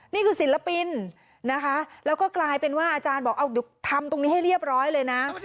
ศิลปินนะคะแล้วก็กลายเป็นว่าอาจารย์บอกเอาเดี๋ยวทำตรงนี้ให้เรียบร้อยเลยนะ